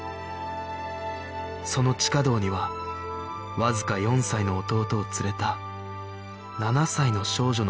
その地下道にはわずか４歳の弟を連れた７歳の少女の姿がありました